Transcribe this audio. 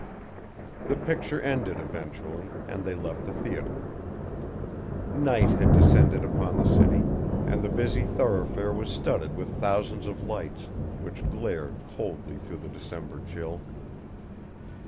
The picture ended eventually, and they left the theater. Night had descended upon the city, and the busy thoroughfare was studded with thousands of lights, which glared coldly through the December chill.